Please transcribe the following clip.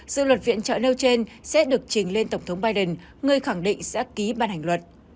dự luật viện trợ nêu trên sẽ được trình lên tổng thống biden người khẳng định sẽ ký ban hành luật